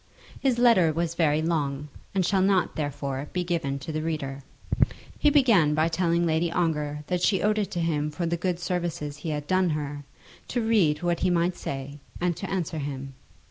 His letter was very long, and shall not, therefore, be given to the reader. He began by telling Lady Ongar that she owed it to him for the good services he had done her, to read what he might say, and to answer him.